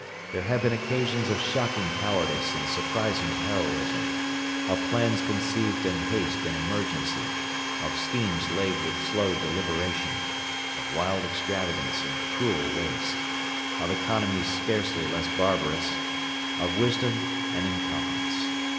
There have been occasions of shocking cowardice and surprising heroism, of plans conceived in haste and emergency, of schemes laid with slow deliberation, of wild extravagance and cruel waste, of economies scarcely less barbarous, of wisdom and incompetence.